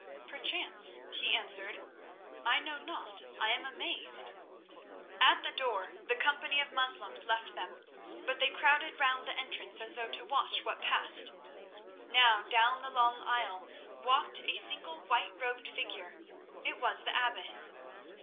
"Perchance," he answered. "I know not. I am amazed." At the door the company of Moslems left them, but they crowded round the entrance as though to watch what passed. Now down the long aisle walked a single whiterobed figure. It was the abbess.